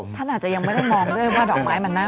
ท่านอาจจะยังไม่ได้มองด้วยว่าดอกไม้มันเน่า